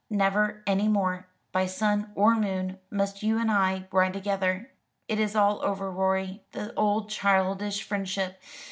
Never any more, by sun or moon, must you and I ride together. It is all over, Rorie, the old childish friendship.